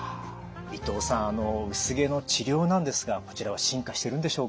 伊藤さん薄毛の治療なんですがこちらは進化してるんでしょうか？